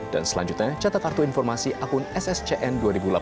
dan selanjutnya catat kartu informasi akun sccn dua ribu delapan belas